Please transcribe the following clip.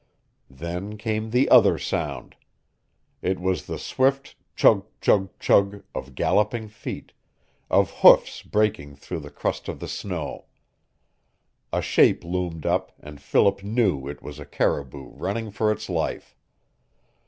Then came the other sound. It was the swift chug, chug, chug of galloping feet of hoofs breaking through the crust of the snow. A shape loomed up, and Philip knew it was a caribou running for its life.